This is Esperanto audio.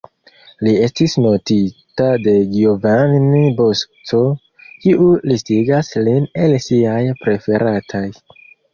Li estis notita de Giovanni Bosco, kiu listigas lin el siaj preferataj.